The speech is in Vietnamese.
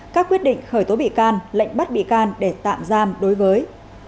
các quyết định khởi tố bị can lệnh bắt bị can để tạm giam đối với